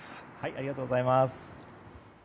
ありがとうございます。